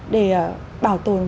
để bảo tồn